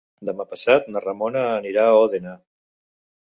Demà passat na Ramona anirà a Òdena.